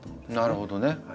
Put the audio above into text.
なるほどね。